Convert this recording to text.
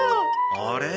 あれ？